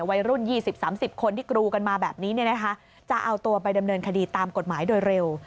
วัยรุ่น๒๐๓๐คนที่กรูกันมาแบบนี้จะเอาตัวไปดำเนินคดีตามกฎหมายโดยเร็ว